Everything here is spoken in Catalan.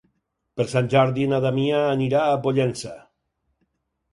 Per Sant Jordi na Damià anirà a Pollença.